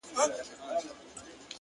نیکه وینا نرم زړونه ګټي،